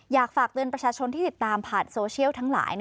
อยากฝากเตือนประชาชนที่ติดตามผ่านโซเชียลทั้งหลาย